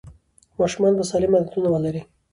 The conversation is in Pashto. ماشومان به سالم عادتونه ولري.